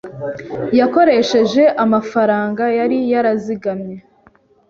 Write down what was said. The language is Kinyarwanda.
Yakoresheje amafaranga yari yarazigamye.